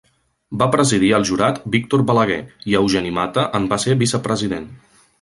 Va presidir el jurat Víctor Balaguer, i Eugeni Mata en va ser vicepresident.